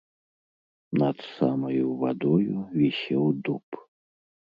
Над самаю вадою вісеў дуб.